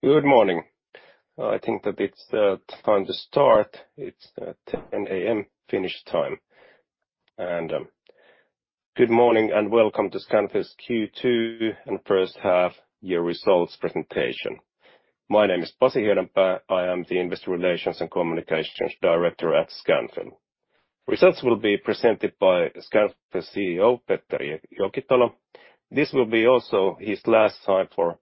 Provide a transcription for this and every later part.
Good morning. I think that it's time to start. It's at 10:00 A.M. Finnish time. Good morning, and welcome to Scanfil's Q2 and first half year results presentation. My name is Pasi Hiedanpää. I am the Investor Relations and Communications Director at Scanfil. Results will be presented by Scanfil CEO, Petteri Jokitalo. This will be also his last time for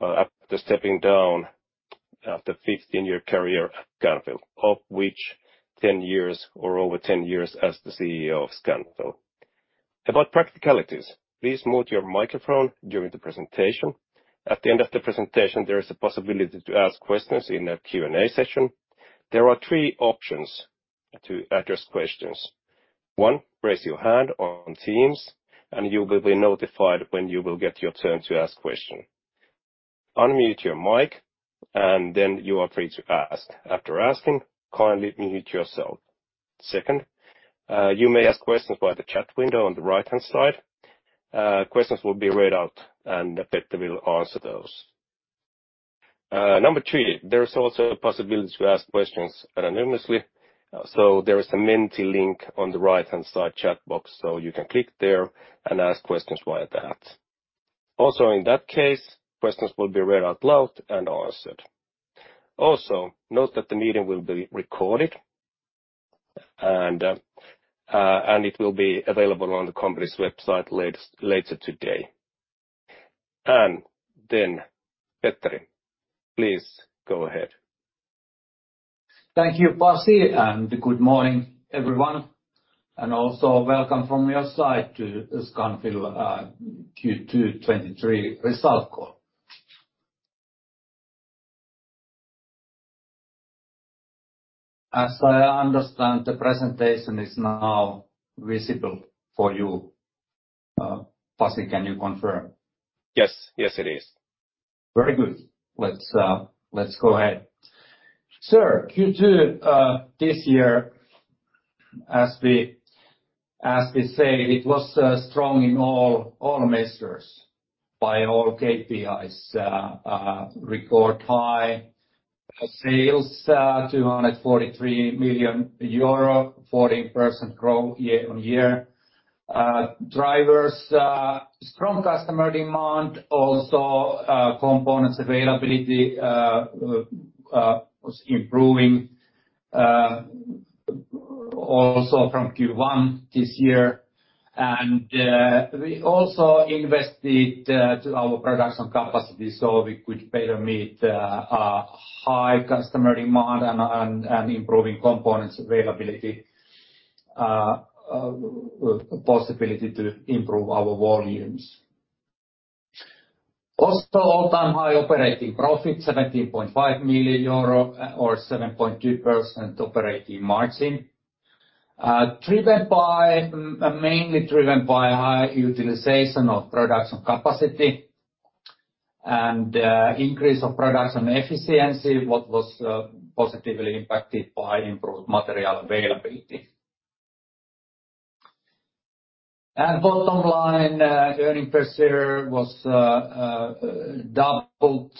after stepping down after 15-year career at Scanfil, of which 10 years or over 10 years as the CEO of Scanfil. About practicalities, please mute your microphone during the presentation. At the end of the presentation, there is a possibility to ask questions in a Q&A session. There are three options to address questions. One, raise your hand on Teams, you will be notified when you will get your turn to ask question. Unmute your mic, then you are free to ask. After asking, kindly mute yourself. Second, you may ask questions via the chat window on the right-hand side. Questions will be read out, and Petteri will answer those. Number three, there is also a possibility to ask questions anonymously. There is a Menti link on the right-hand side chat box, so you can click there and ask questions via that. Also, in that case, questions will be read out loud and answered. Also, note that the meeting will be recorded, and it will be available on the company's website later today. Then, Petteri, please go ahead. Thank you, Pasi, and good morning, everyone, and also welcome from your side to Scanfil, Q2 2023 result call. As I understand, the presentation is now visible for you. Pasi, can you confirm? Yes. Yes, it is. Very good. Let's, let's go ahead. Q2, this year, as we, as we said, it was strong in all, all measures, by all KPIs. Record high sales, EUR 243 million, 14% growth year-on-year. Drivers, strong customer demand, also, components availability, was improving, also from Q1 this year. We also invested to our production capacity, so we could better meet high customer demand and, and, and improving components availability, possibility to improve our volumes. Also, all-time high operating profit, 17.5 million euro, or 7.2% operating margin. Driven by, mainly driven by high utilization of production capacity and, increase of production efficiency, what was positively impacted by improved material availability. Bottom line, earnings per share was doubled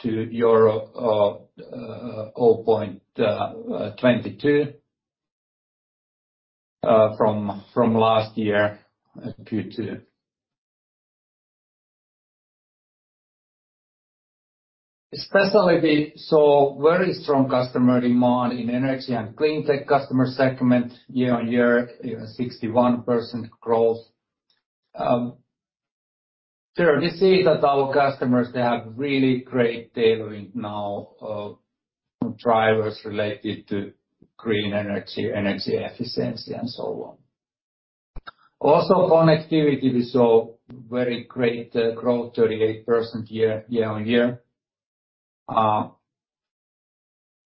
to EUR 0.22 from last year, Q2. Especially, we saw very strong customer demand in Energy & Cleantech customer segment, year-on-year, 61% growth. Sure, we see that our customers, they have really great tailoring now, drivers related to green energy, energy efficiency, and so on. Also, Connectivity, we saw very great growth, 38% year-on-year.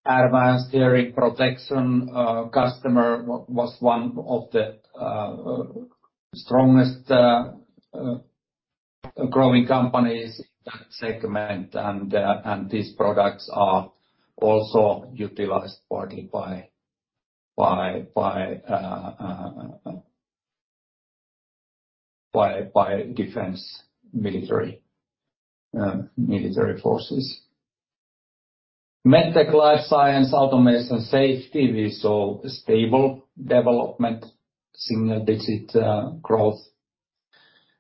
advanced hearing protection customer was one of the strongest growing companies segment, and these products are also utilized partly by defense, military, military forces. Medtech & Life Science, automation, safety, we saw a stable development, single-digit growth.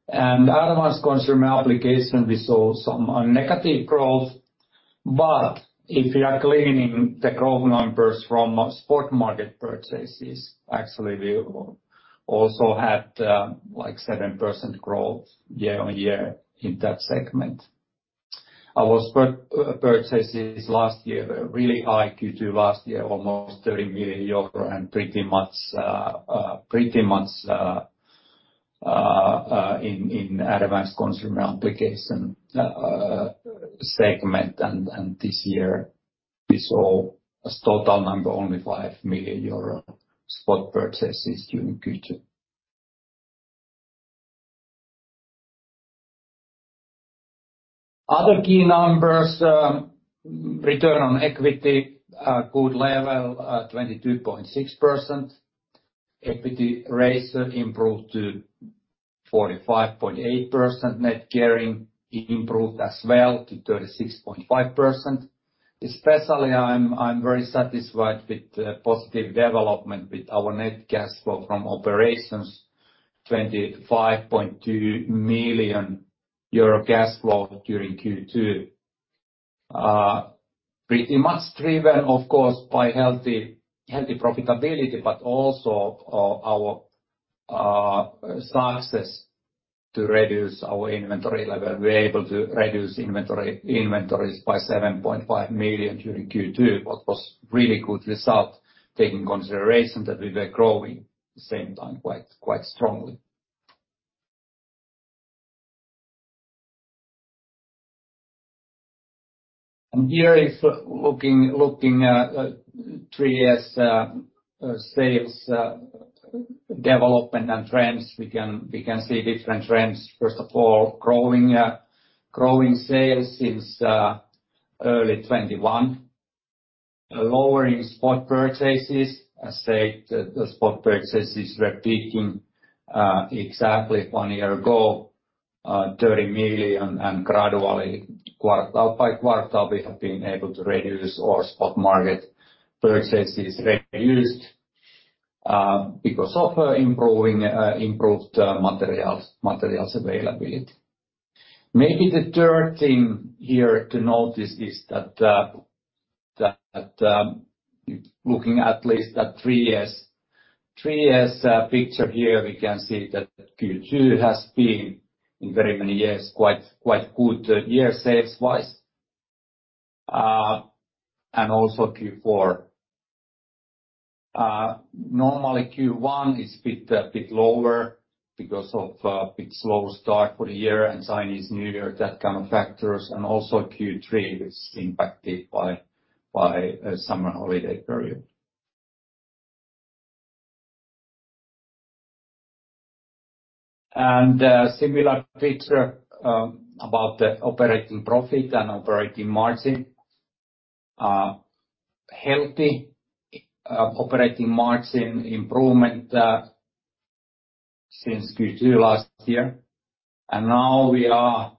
Advanced Consumer Applications, we saw some negative growth. If you are cleaning the growth numbers from spot purchases, actually, we also had, like 7% growth year-on-year in that segment. Our spot purchases last year were really high, Q2 last year, almost EUR 30 million and pretty much in Advanced Consumer Applications segment. This year we saw as total number, only 5 million euro spot purchases during Q2. Other key numbers, return on equity, a good level, 22.6%. Equity ratio improved to 45.8%. Net gearing improved as well to 36.5%. Especially, I'm very satisfied with the positive development with our net cash flow from operations, 25.2 million euro cash flow during Q2. Pretty much driven, of course, by healthy, healthy profitability, but also, our success to reduce our inventory level. We're able to reduce inventories by 7.5 million during Q2, what was really good result, taking consideration that we were growing the same time, quite, quite strongly. And here is looking, looking at three years sales development and trends. We can, we can see different trends. First of all, growing growing sales since early 2021. Lowering spot purchases, I said the spot purchases were peaking exactly one year ago, 30 million, and gradually, quarter by quarter, we have been able to reduce our spot market purchases reduced because of improving improved materials, materials availability. Maybe the third thing here to notice is that, that, looking at least at three years, three years, picture here, we can see that Q2 has been, in very many years, quite, quite good year sales wise, and also Q4. Normally, Q1 is bit, a bit lower because of, bit slow start for the year and Chinese New Year, that kind of factors, and also Q3 is impacted by, by a summer holiday period. A similar picture, about the operating profit and operating margin. Healthy, operating margin improvement, since Q2 last year, and now we are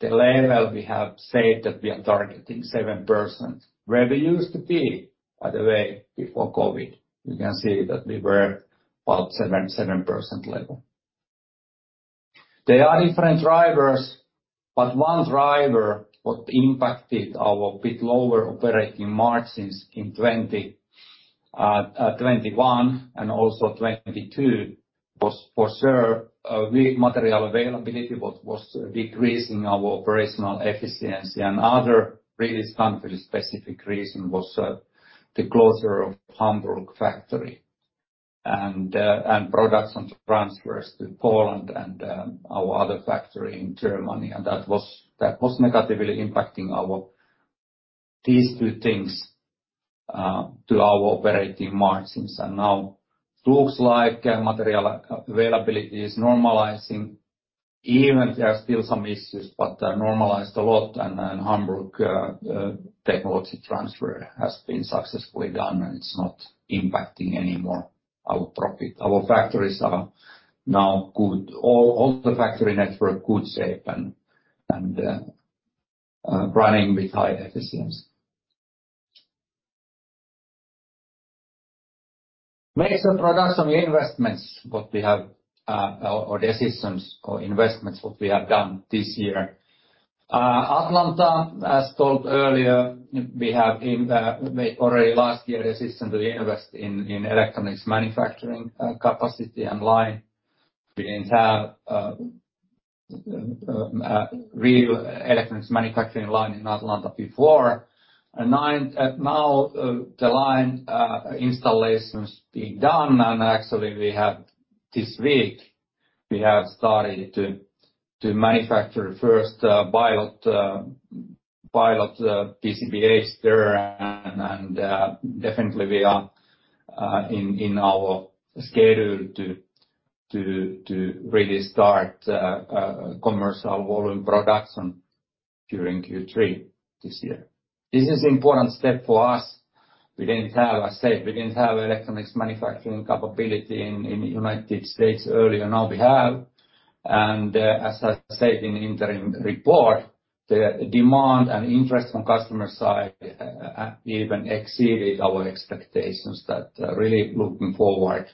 the level we have said that we are targeting 7%, where we used to be, by the way, before COVID. You can see that we were about 7%-7% level. There are different drivers, but one driver what impacted our bit lower operating margins in 2021 and also 2022, was for sure material availability, what was decreasing our operational efficiency. Other really country-specific reason was the closure of Hamburg factory and production transfers to Poland and our other factory in Germany. That was, that was negatively impacting these two things to our operating margins. Now looks like material availability is normalizing. Even there are still some issues, but normalized a lot, and, and Hamburg technology transfer has been successfully done, and it's not impacting any more our profit. Our factories are now good. All, all the factory network, good shape, and, and running with high efficiency. Major production investments, what we have, or decisions or investments, what we have done this year. Atlanta, as told earlier, we have in, made already last year decision to invest in, in electronics manufacturing capacity and line. We didn't have a real electronics manufacturing line in Atlanta before. Now, the line installations being done, and actually we have this week, we have started to manufacture first pilot pilot PCBAs there. Definitely we are in our schedule to really start commercial volume production during Q3 this year. This is important step for us. We didn't have a sale, we didn't have electronics manufacturing capability in, in the United States earlier. Now we have, as I said in the interim report, the demand and interest from customer side, even exceeded our expectations that really looking forward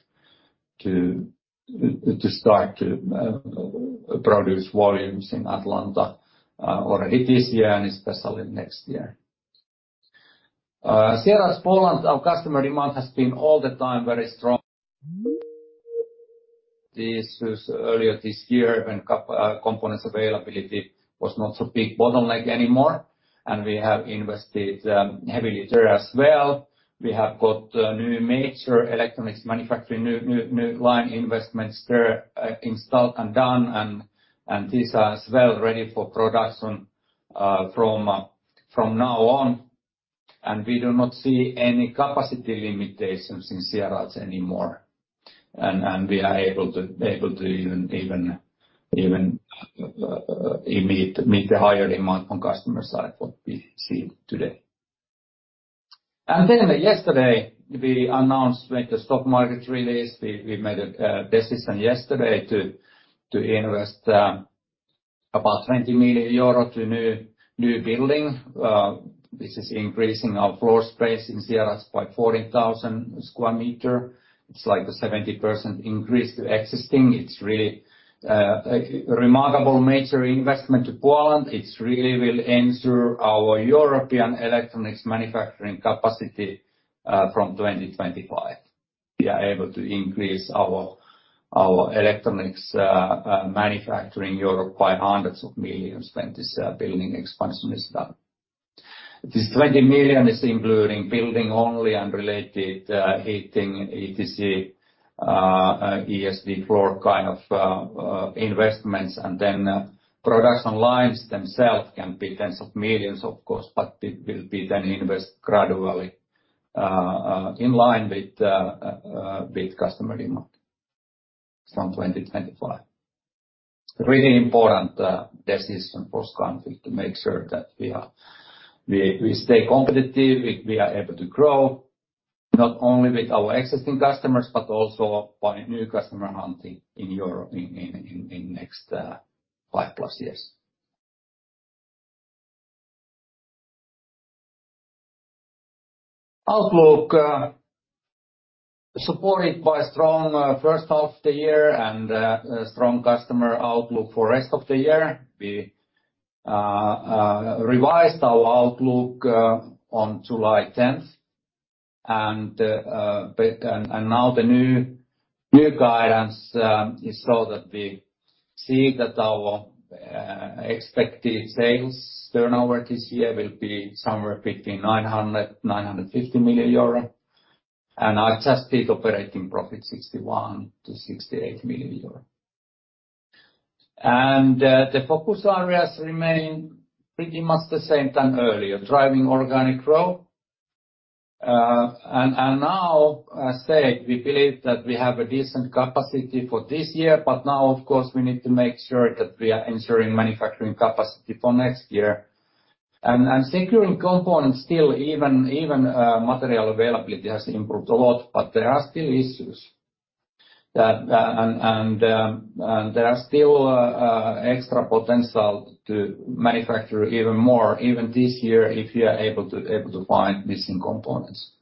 to to start to produce volumes in Atlanta already this year and especially next year. Sieradz, Poland, our customer demand has been all the time very strong. This was earlier this year, when cap, components availability was not so big bottleneck anymore, and we have invested heavily there as well. We have got a new major electronics manufacturing, new, new, new line investments there, installed and done, and these are as well ready for production from from now on. We do not see any capacity limitations in Sieradz anymore. And we are able to, able to even, even, even meet, meet the higher demand from customer side what we see today. Then yesterday, we announced, made the stock market release. We, we made a decision yesterday to, to invest about 20 million euro to new, new building. This is increasing our floor space in Sieradz by 14,000 square meters. It's like a 70% increase to existing. It's really a remarkable major investment to Poland. It really will ensure our European electronics manufacturing capacity from 2025. We are able to increase our, our electronics manufacturing Europe by hundreds of millions EUR when this building expansion is done. This 20 million is including building only unrelated, heating, etc., ESD floor kind of investments, and then production lines themselves can be tens of millions, of course, but it will be then invest gradually in line with customer demand from 2025. Really important decision for Scanfil to make sure that we stay competitive, we are able to grow not only with our existing customers, but also by new customer hunting in Europe in next five plus years. Outlook supported by strong first half of the year and strong customer outlook for rest of the year. We revised our outlook on July 10th, now the new guidance is that we see that our expected sales turnover this year will be somewhere between 900 million-950 million euro, and adjusted operating profit, 61 million-68 million euro. The focus areas remain pretty much the same time earlier, driving organic growth. Now, as I said, we believe that we have a decent capacity for this year, of course, we need to make sure that we are ensuring manufacturing capacity for next year. Securing components still, even, even material availability has improved a lot, there are still issues. There are still extra potential to manufacture even more, even this year, if we are able to, able to find missing components.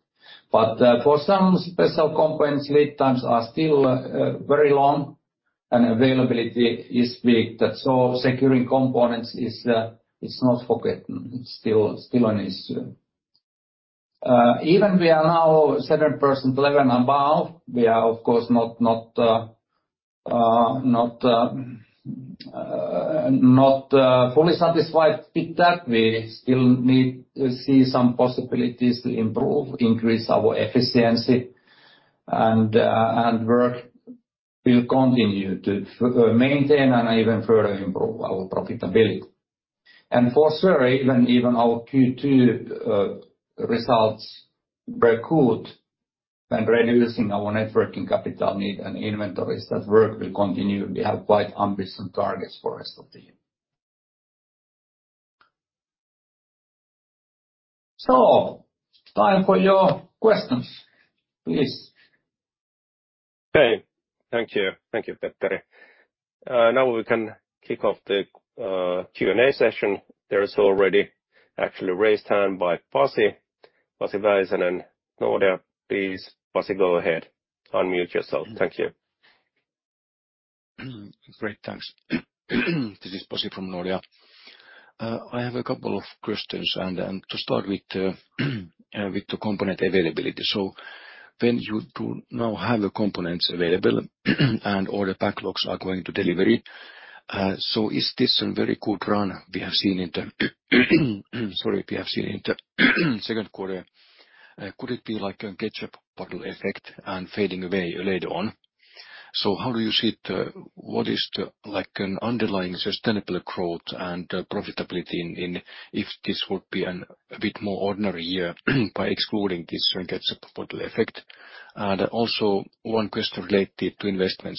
For some special components, lead times are still very long, and availability is big. That's all. Securing components is not forgotten. It's still, still an issue. Even we are now 7% level and above, we are, of course, not, not, not fully satisfied with that. We still need to see some possibilities to improve, increase our efficiency, and work will continue to maintain and even further improve our profitability. For sure, even, even our Q2 results were good when reducing our networking capital need and inventories, that work will continue. We have quite ambitious targets for rest of the year. Time for your questions, please. Okay. Thank you. Thank you, Petteri. Now we can kick off the Q&A session. There is already actually raised hand by Pasi, Pasi Väisänen, Nordea. Please, Pasi, go ahead. Unmute yourself. Thank you. Great, thanks. This is Pasi from Nordea. I have a couple of questions, and then to start with, with the component availability. When you do now have the components available and all the backlogs are going to delivery, is this a very good run we have seen in the, sorry, we have seen in the, second quarter? Could it be like a ketchup bottle effect and fading away later on? How do you see what is the, like, an underlying sustainable growth and profitability in if this would be a bit more ordinary year, by excluding this ketchup bottle effect? Also one question related to investment.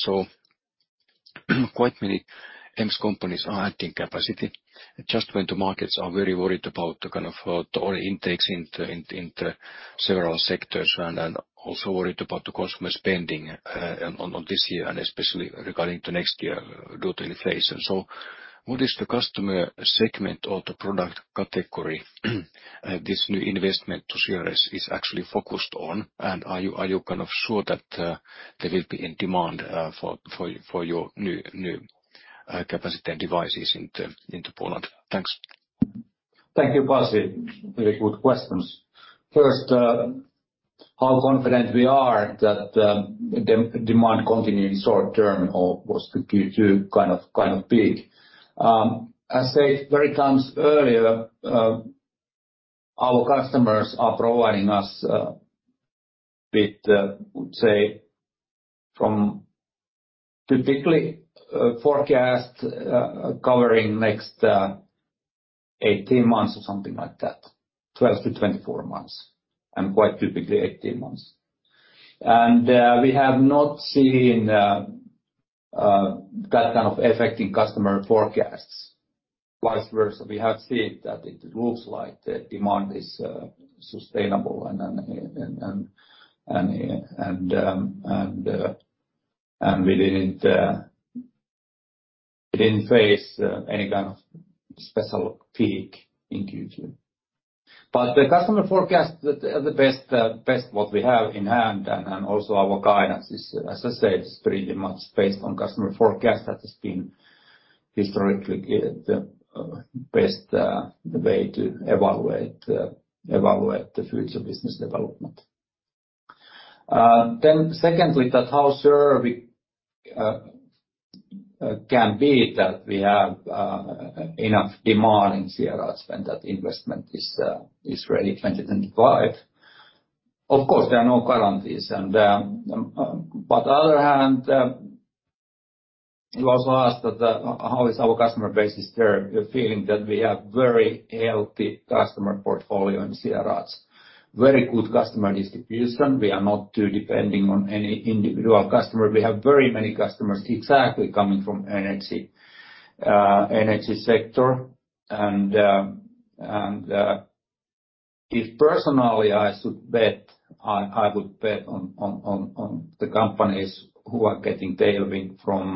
Quite many EMS companies are adding capacity just when the markets are very worried about the kind of order intakes in the several sectors and also worried about the consumer spending on this year and especially regarding the next year due to inflation. What is the customer segment or the product category this new investment to Sieradz is actually focused on? Are you kind of sure that there will be in demand for your new capacity and devices in Poland? Thanks. Thank you, Pasi. Very good questions. First, how confident we are that the, the demand continue in short term or was the Q2 kind of, kind of peak? I said very times earlier, our customers are providing us, bit, would say from typically, forecast, covering next, 18 months or something like that, 12-24 months, and quite typically 18 months. We have not seen that kind of affecting customer forecasts. Vice versa, we have seen that it looks like the demand is sustainable and then, and we didn't, we didn't face any kind of special peak in Q2. The customer forecast that the best, best what we have in hand. Also, our guidance is, as I said, it's pretty much based on customer forecast. That has been historically the best way to evaluate the future business development. Secondly, that how sure we can be that we have enough demand in Sieradz when that investment is ready, 2025? Of course, there are no guarantees. You also asked that, how is our customer base is there? We're feeling that we have very healthy customer portfolio in Sieradz. Very good customer distribution. We are not too depending on any individual customer. We have very many customers exactly coming from energy, energy sector. If personally, I should bet, I, I would bet on the companies who are getting tailwind from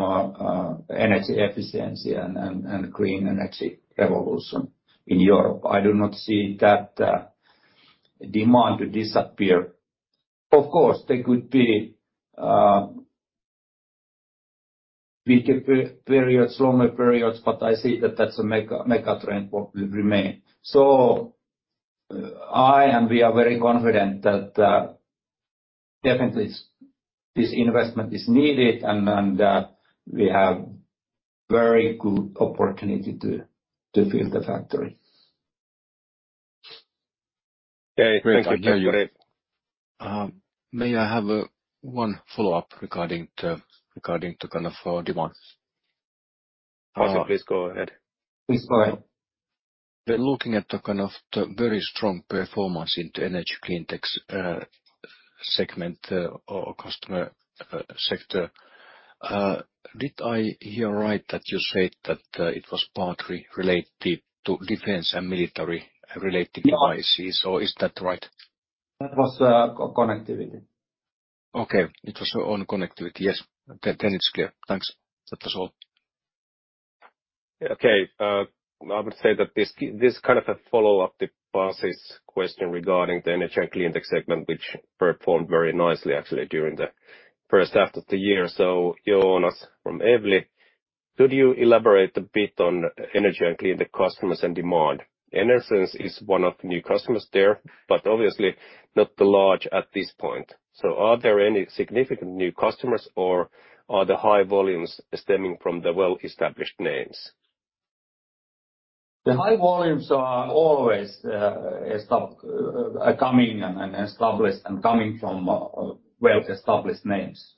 energy efficiency and green energy revolution in Europe. I do not see that demand disappear. Of course, there could be weaker periods, longer periods, but I see that that's a mega, mega trend what will remain. I and we are very confident that definitely this, this investment is needed, we have very good opportunity to fill the factory. Okay, thank you. May I have one follow-up regarding the, regarding the kind of demand? Please go ahead. Please go ahead. We're looking at the kind of the very strong performance into Energy & Cleantech segment or customer sector. Did I hear right that you said that it was partly related to defense and military-related devices, or is that right? That was, Connectivity. Okay. It was on Connectivity. Yes. Then it's clear. Thanks. That was all. Okay, I would say that this is kind of a follow-up to Pasi's question regarding the Energy & Cleantech segment, which performed very nicely actually during the first half of the year. Joonas from Evli, could you elaborate a bit on Energy & Cleantech customers and demand? Enersense is one of the new customers there, but obviously not the large at this point. Are there any significant new customers or are the high volumes stemming from the well-established names? The high volumes are always, a stop, coming and established and coming from, well-established names.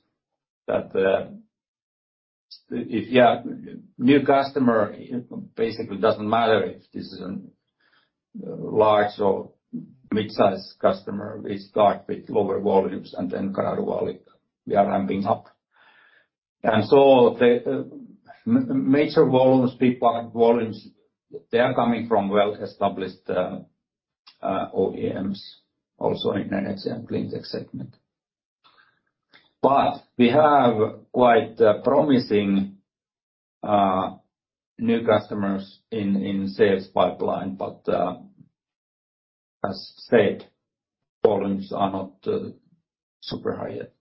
That, if, yeah, new customer, basically doesn't matter if this is an large or mid-sized customer, we start with lower volumes, and then gradually, we are ramping up. So the major volumes, big product volumes, they are coming from well-established, OEMs, also in Energy & Cleantech segment. We have quite a promising, new customers in, in sales pipeline, but, as said, volumes are not, super high yet.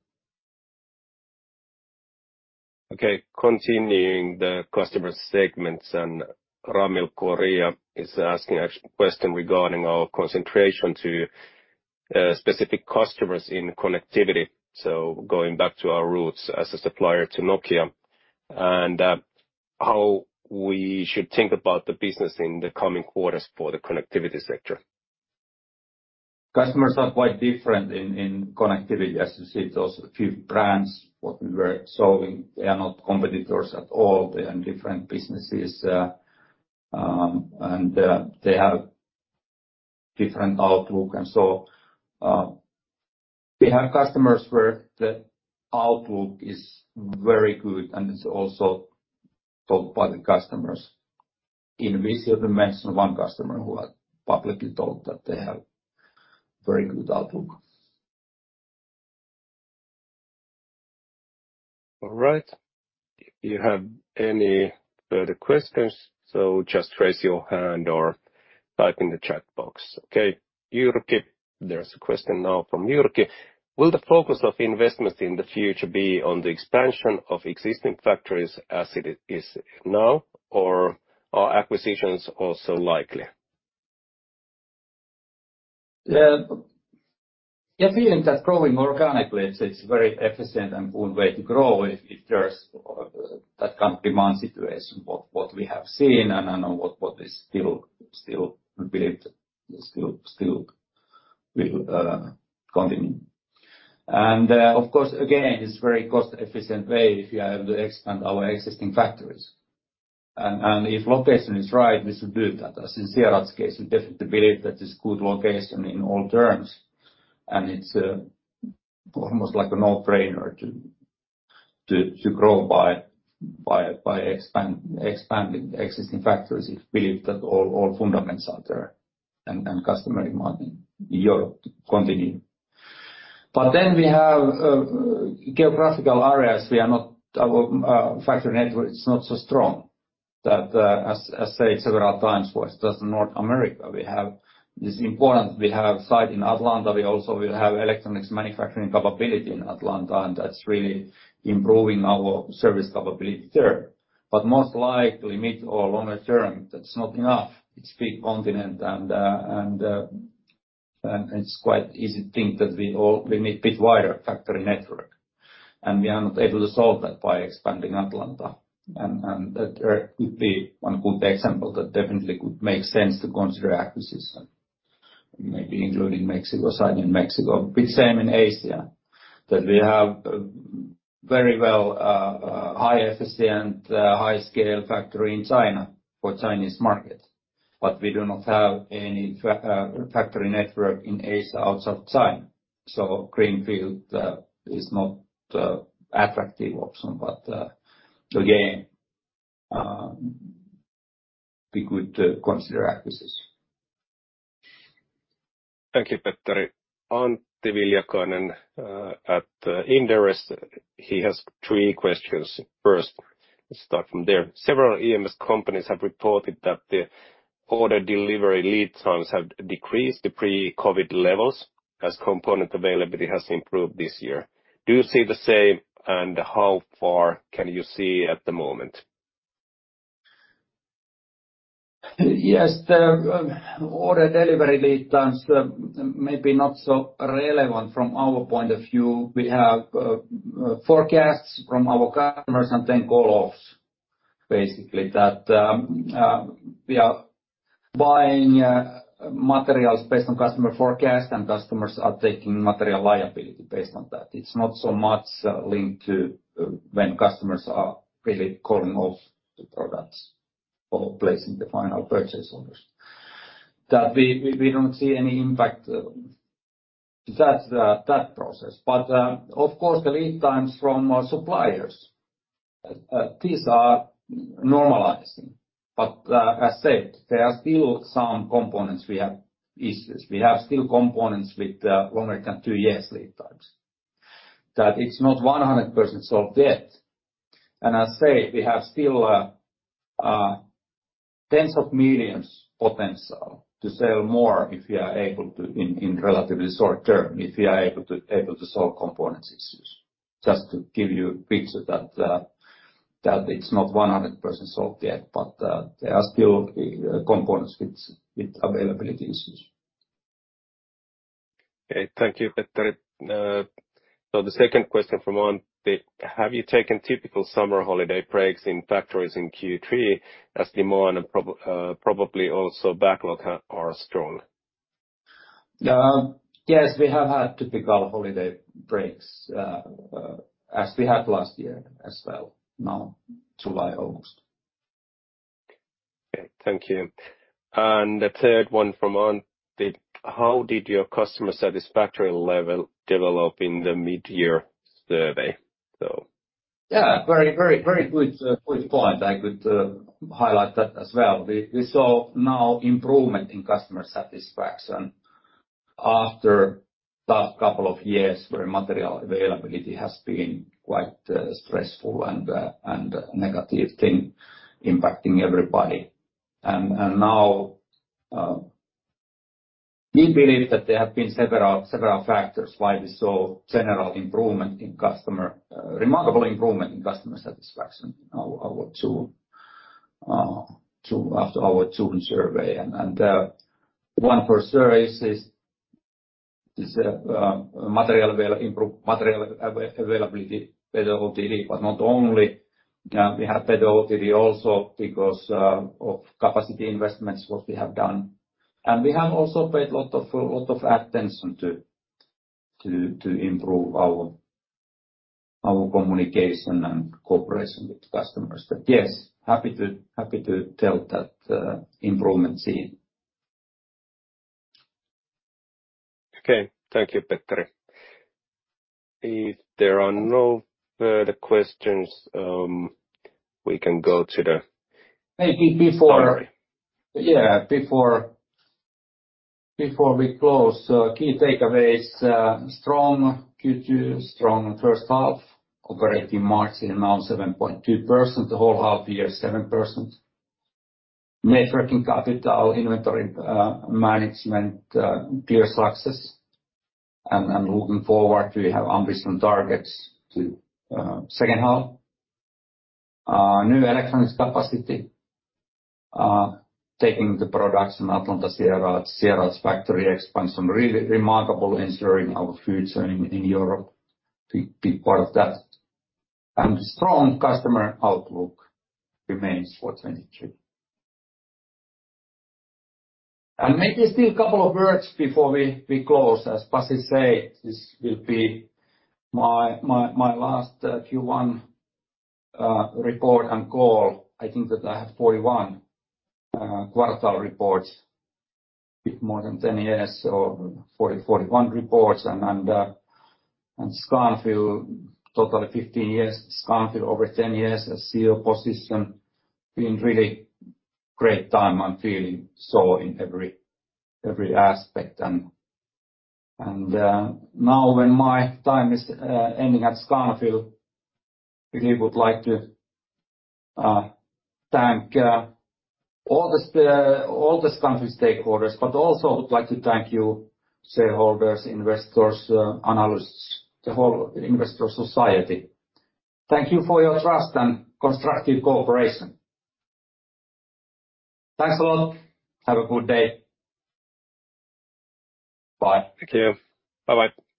Okay, continuing the customer segments. Rami Koria is asking a question regarding our concentration to specific customers in Connectivity. Going back to our roots as a supplier to Nokia, and how we should think about the business in the coming quarters for the Connectivity sector. Customers are quite different in Connectivity. As you see, those few brands, what we were solving, they are not competitors at all. They are in different businesses, they have different outlook. We have customers where the outlook is very good, and it's also talked by the customers. INVISIO, we mentioned one customer who had publicly told that they have very good outlook. All right. If you have any further questions, just raise your hand or type in the chat box. Jyrki, there's a question now from Jyrki. Will the focus of investments in the future be on the expansion of existing factories as it is now, or are acquisitions also likely? Yeah. We are feeling that growing organically, it's, it's very efficient and good way to grow if, if there's that kind of demand situation, what, what we have seen, and I know what, what is still, still believed, still, still will continue. Of course, again, it's very cost-efficient way if we are able to expand our existing factories. And if location is right, we should do that. As in Sieradz case, we definitely believe that is good location in all terms, and it's almost like a no-brainer to grow by expanding existing factories. If we believe that all fundamentals are there and customer demand in Europe continue. Then we have geographical areas we are not. Our factory network is not so strong that, as said several times for us, just North America, we have this important. We have site in Atlanta. We also will have electronics manufacturing capability in Atlanta, and that's really improving our service capability there. Most likely, mid or longer term, that's not enough. It's big continent, and it's quite easy thing that we need bit wider factory network, and we are not able to solve that by expanding Atlanta. That there could be one good example that definitely could make sense to consider acquisition, maybe including Mexico, site in Mexico. Bit same in Asia, that we have, very well, high efficient, high scale factory in China for Chinese market. We do not have any factory network in Asia outside China. Greenfield, is not, attractive option, but, again, we could, consider acquisition. Thank you, Petteri. Antti Viljakainen, at Inderes, he has three questions. First, let's start from there. Several EMS companies have reported that the order delivery lead times have decreased the pre-COVID levels as component availability has improved this year. Do you see the same, and how far can you see at the moment? Yes, the order delivery lead times may be not so relevant from our point of view. We have forecasts from our customers, and then call-offs, basically, that we are buying materials based on customer forecast, and customers are taking material liability based on that. It's not so much linked to when customers are really calling off the products or placing the final purchase orders. That we, we, we don't see any impact that that process. Of course, the lead times from our suppliers, these are normalizing. As said, there are still some components we have issues. We have still components with longer than two years lead times. That it's not 100% solved yet. I say, we have still tens of millions potential to sell more if we are able to in relatively short term, if we are able to solve components issues. Just to give you a picture that, that it's not 100% solved yet, but there are still components with availability issues. Okay. Thank you, Petteri. The second question from Antti: have you taken typical summer holiday breaks in factories in Q3, as demand and probably also backlog are strong? Yes, we have had typical holiday breaks, as we had last year as well now, July, August. Okay, thank you. The third one from Antti: how did your customer satisfactory level develop in the mid-year survey? Yeah, very, very, very good, good point. I could highlight that as well. We, we saw now improvement in customer satisfaction after last couple of years, where material availability has been quite stressful and negative thing impacting everybody. Now, we believe that there have been several, several factors why we saw general improvement in remarkable improvement in customer satisfaction after our tool survey. One for sure is, is material availability, better OTD, but not only, we have better OTD also because of capacity investments, what we have done. We have also paid lot of, lot of attention to improve our, our communication and cooperation with customers. Yes, happy to, happy to tell that improvement seen. Okay. Thank you, Petteri. If there are no further questions, we can go. Maybe before. Sorry. Yeah, before, before we close, key takeaways. Strong Q2, strong first half, operating margin around 7.2%, the whole half year, 7%. Net working capital, inventory, management, pure success. Looking forward, we have ambitious targets to second half. New electronics capacity, taking the products in Atlanta, Sieradz factory expansion. Really remarkable ensuring our future in Europe to be part of that. Strong customer outlook remains for 2023. Maybe still a couple of words before we close. As Pasi say, this will be my, my, my last Q1 report and call. I think that I have 41 quarter reports, bit more than 10 years, or 40, 41 reports, and Scanfil, totally 15 years. Scanfil over 10 years as CEO position, been really great time. I'm feeling so in every, every aspect. Now, when my time is ending at Scanfil, really would like to thank all the Scanfil stakeholders. Also would like to thank you, shareholders, investors, analysts, the whole investor society. Thank you for your trust and constructive cooperation. Thanks a lot. Have a good day. Bye. Thank you. Bye-bye.